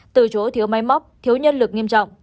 từ chối thiếu máy móc thiếu nhân lực nghiêm trọng